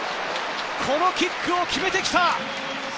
このキックを決めてきた！